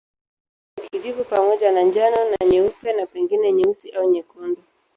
Wana rangi ya kijivu pamoja na njano na nyeupe na pengine nyeusi au nyekundu.